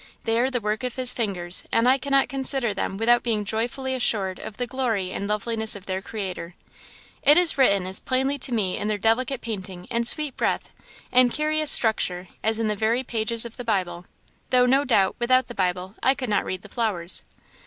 They are the work of His fingers; and I cannot consider them without being joyfully assured of the glory and loveliness of their Creator. It is written as plainly to me in their delicate painting, and sweet breath, and curious structure, as in the very pages of the Bible; though, no doubt, without the Bible I could not read the flowers."